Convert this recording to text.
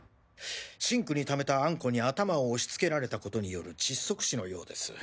シンクにためたアンコに頭を押し付けられたことによる窒息死のようです。